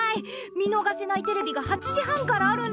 見のがせないテレビが８時半からあるんだ。